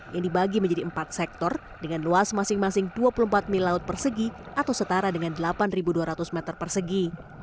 yang dibagi menjadi empat sektor dengan luas masing masing dua puluh empat mil laut persegi atau setara dengan delapan dua ratus meter persegi